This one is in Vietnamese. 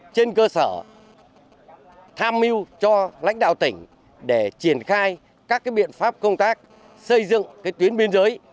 trên cơ sở tham mưu cho lãnh đạo tỉnh để triển khai các biện pháp công tác xây dựng tuyến biên giới